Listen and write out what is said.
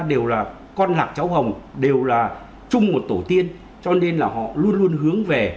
đều là con lạc cháu hồng đều là chung một tổ tiên cho nên là họ luôn luôn hướng về